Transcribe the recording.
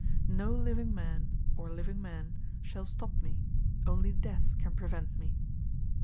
No living man, or living men, shall stop me, only death can prevent me.